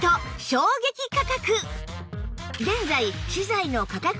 衝撃価格！